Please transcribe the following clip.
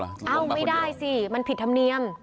เอ้าไม่ได้สิมันผิดธรรมเนียม